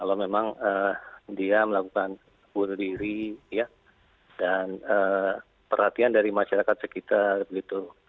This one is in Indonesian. kalau memang dia melakukan bunuh diri dan perhatian dari masyarakat sekitar gitu